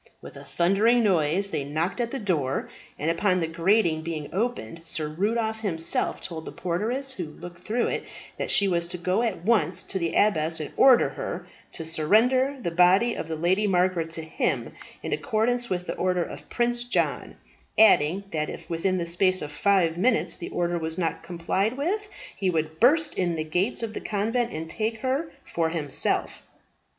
With a thundering noise they knocked at the door, and upon the grating being opened Sir Rudolph himself told the porteress who looked through it, that she was to go at once to the abbess and order her to surrender the body of the Lady Margaret to him, in accordance with the order of Prince John; adding, that if within the space of five minutes the order was not complied with, he would burst in the gates of the convent and take her for himself.